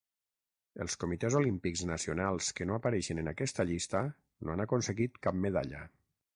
Els Comitès Olímpics Nacionals que no apareixen en aquesta llista no han aconseguit cap medalla.